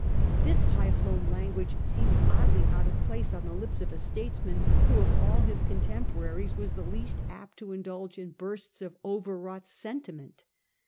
This high flown language seems oddly out of place on the lips of a statesman who of all his contemporaries was the least apt to indulge in bursts of overwrought sentiment.